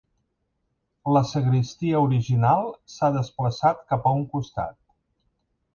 La sagristia original s'ha desplaçat cap a un costat.